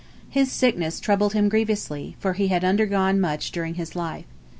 His sickness troubled him grievously, for he had undergone much during his life.